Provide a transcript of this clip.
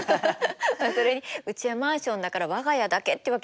それにうちはマンションだから我が家だけってわけにいかないでしょう。